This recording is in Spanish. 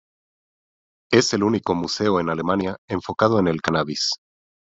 Es el único museo en Alemania enfocado en el cannabis.